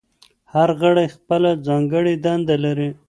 هر غړی خپله ځانګړې دنده لري.